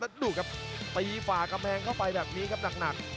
แล้วดูครับตีฝ่ากำแพงเข้าไปแบบนี้ครับหนัก